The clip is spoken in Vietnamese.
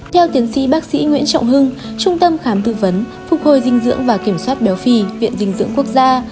theo tiến sĩ bác sĩ nguyễn trọng hưng trung tâm khám tư vấn phục hồi dinh dưỡng và kiểm soát béo phì viện dinh dưỡng quốc gia